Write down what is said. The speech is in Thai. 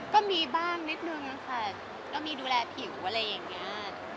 ก็มีบ้างนิดนึงค่ะก็มีดูแลผิวอะไรอย่างนี้